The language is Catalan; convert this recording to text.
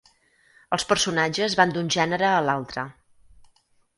Els personatges van d'un gènere a l'altre.